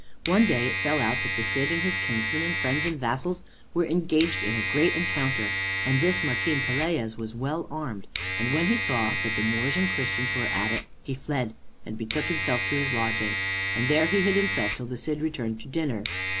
One day it fell out that the Cid and his kinsmen and friends and vassals were engaged in a great encounter, and this Martin Pelaez was well armed; and when he saw that the Moors and Christians were at it, he fled and betook himself to his lodging, and there hid himself till the Cid returned to dinner.